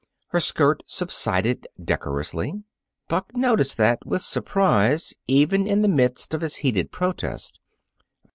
Her skirt subsided decorously. Buck noticed that, with surprise, even in the midst of his heated protest.